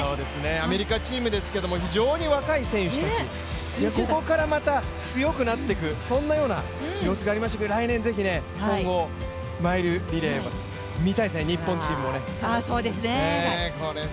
アメリカチームですけど非常に若い選手たち、ここからはまた強くなっていく、そんなような様子がありましたけれども来年、是非、混合マイルリレーも見たいですね、日本チームもね。